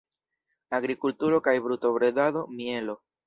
Agrikulturo kaj brutobredado; mielo.